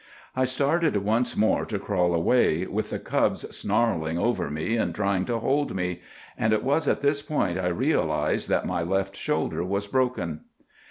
"'I started once more to crawl away, with the cubs snarling over me and trying to hold me; and it was at this point I realized that my left shoulder was broken.